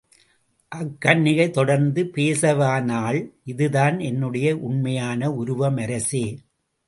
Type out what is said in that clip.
அக்கன்னிகை தொடர்ந்து பேசவானாள் இதுதான் என்னுடைய உண்மையான உருவம் அரசே!